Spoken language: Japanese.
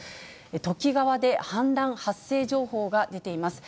土岐川で氾濫発生情報が出ています。